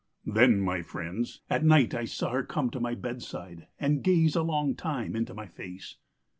...' "Then, my friends, at night I saw her come to my bedside and gaze a long time into my face.